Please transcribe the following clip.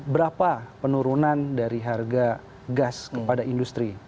berapa penurunan dari harga gas kepada industri